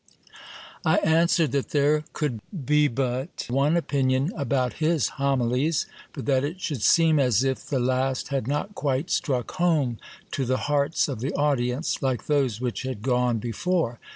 I answered that there could be but one opinion about his homilies ; but that it should seem as if the last had not quite struck home to the hearts of the audience, like those which had gone before.